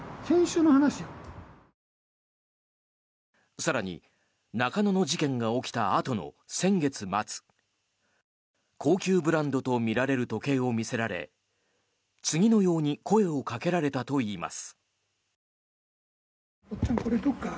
更に、中野の事件が起きたあとの先月末高級ブランドとみられる時計を見せられ次のように声をかけられたといいます。